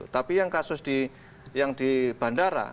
tapi yang kasus yang di bandara